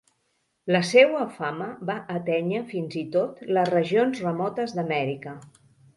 La seua fama va atènyer fins i tot les regions remotes d'Amèrica.